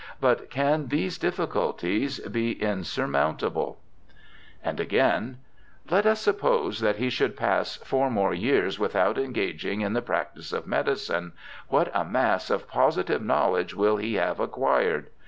But can these difficulties be insurmountable?' And again :—' Let us suppose that he should pass four more years without engaging in the practice of medicine, what a mass of positive knowledge will he have acquired!